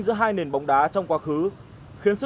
đây là bao nhiêu